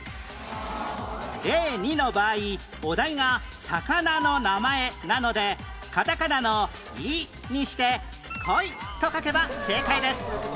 例２の場合お題が魚の名前なのでカタカナの「イ」にしてコイと書けば正解です